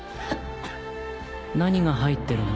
何が入ってるの？